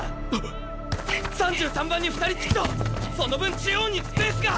３３番に２人つくとその分中央にスペースが！